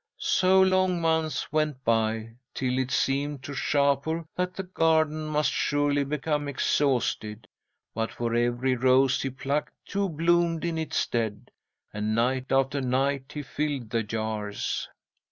"'So long months went by, till it seemed to Shapur that the garden must surely become exhausted. But for every rose he plucked, two bloomed in its stead, and night after night he filled the jars.